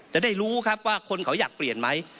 จะได้รู้ครับว่าคนเขาอยากเปลี่ยนไหม